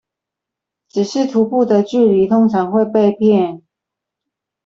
只是徒步的距離通常會被騙